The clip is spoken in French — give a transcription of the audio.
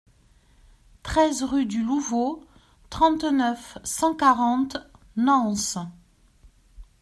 treize rue du Louvot, trente-neuf, cent quarante, Nance